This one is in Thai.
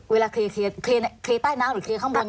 เวลาเคลียร์ใต้น้ำหรือเคลียร์ข้างบน